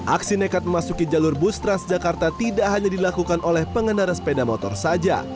aksi nekat memasuki jalur bus transjakarta tidak hanya dilakukan oleh pengendara sepeda motor saja